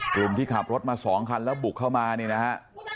กลุ่มที่ขับรถมา๒คันแล้วบุกเข้ามานี่นะฮะ